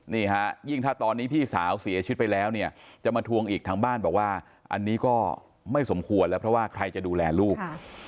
นี่ฮะยิ่งถ้าตอนนี้พี่สาวเสียชีวิตไปแล้วเนี่ยจะมาทวงอีกทางบ้านบอกว่าอันนี้ก็ไม่สมควรแล้วเพราะว่าใครจะดูแลลูก